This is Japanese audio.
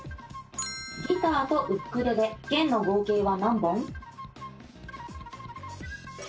ギターとウクレレ弦の合計は何本？